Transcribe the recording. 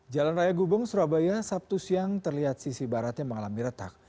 jalan raya gubeng surabaya sabtu siang terlihat sisi baratnya mengalami retak